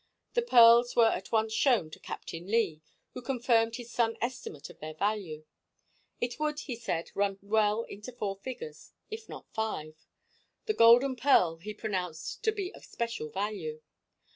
The pearls were at once shown to Captain Leigh, who confirmed his son's estimate of their value. It would, he said, run well into four figures, if not into five. The golden pearl he pronounced to be of special value.